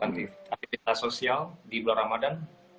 aktivitas sosial di bulan ramadan